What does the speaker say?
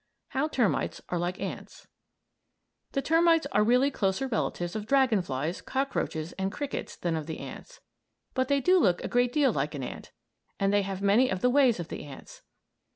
HOW TERMITES ARE LIKE THE ANTS The termites are really closer relatives of dragon flies, cockroaches, and crickets than of the ants, but they do look a great deal like an ant, and they have many of the ways of the ants.